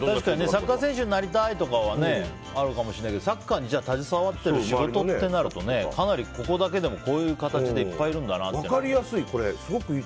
サッカー選手になりたいとかはあるかもしれないけどサッカーに携わってる仕事ってなるとかなり、ここだけでもこういう形で分かりやすい、これ。